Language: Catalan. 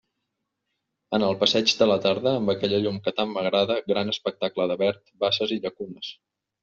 En el passeig de la tarda, amb aquella llum que tant m'agrada, gran espectacle de verd, basses i llacunes.